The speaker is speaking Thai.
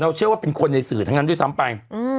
เชื่อว่าเป็นคนในสื่อทั้งนั้นด้วยซ้ำไป